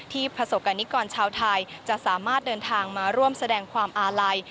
ประสบกรณิกรชาวไทยจะสามารถเดินทางมาร่วมแสดงความอาลัย